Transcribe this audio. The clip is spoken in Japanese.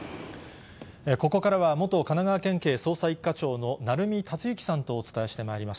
ここからは元神奈川県警捜査１課長の鳴海達之さんとお伝えしてまいります。